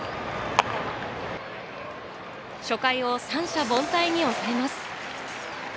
初回を三者凡退に抑えます。